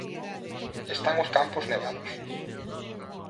Están os campos nevados.